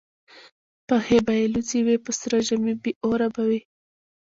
پښې به یې لوڅي وي په سره ژمي بې اوره به وي